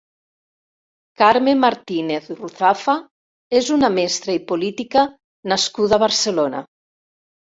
Carme Martínez Ruzafa és una mestra i política nascuda a Barcelona.